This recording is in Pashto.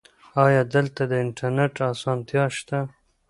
ایا دلته د انټرنیټ اسانتیا شته؟